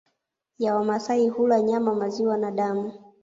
ya Wamasai hula nyama maziwa na damu